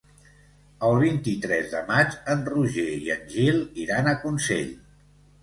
El vint-i-tres de maig en Roger i en Gil iran a Consell.